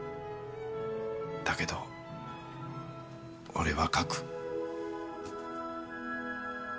だけど俺は書く。